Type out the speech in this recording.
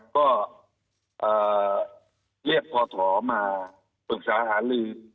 ก็เรียกพอถอมาปรึกษาหาลือ